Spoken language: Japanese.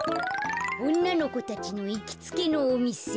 おんなのこたちのいきつけのおみせ。